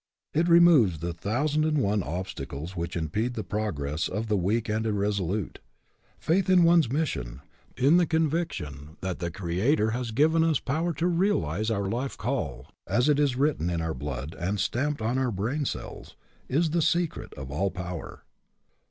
It removes the thou sand and one obstacles which impede the prog ress of the weak and irresolute. Faith in one's mission in the conviction that the Creator has given us power to realize our life call, as it is HE CAN WHO THINKS HE CAN 15 written in our blood and stamped on our brain cells, is the secret of all power.